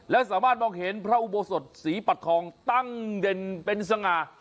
และสามารถมองเห็นพระอุโบสถศรีปัดทองตั้งเด่นเป็นสง่า